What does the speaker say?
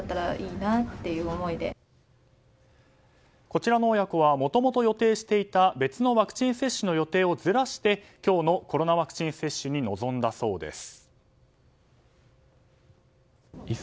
こちらの親子はもともと予定していた別のワクチン接種の予定をずらして今日のコロナワクチン接種に臨んだそうです。